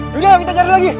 dari mana kita cari lagi